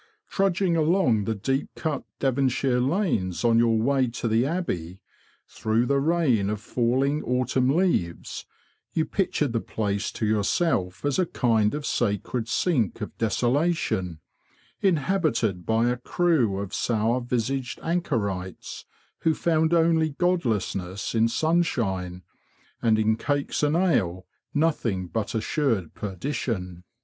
Trudging along the deep cut Devonshire lanes on your way to the Abbey, through the rain of falling autumn leaves, you pictured the place to yourself as a kind of sacred sink of desolation, inhabited by a crew of sour visaged anchorites, who found only godlessness in sunshine, and in cakes and ale nothing but assured perdition.